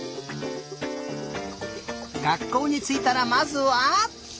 がっこうについたらまずは？